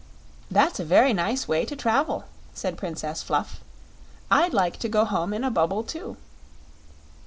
"That's a very nice way to travel," said Princess Fluff. "I'd like to go home in a bubble, too."